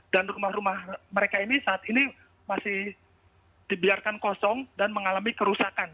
rumah rumah mereka ini saat ini masih dibiarkan kosong dan mengalami kerusakan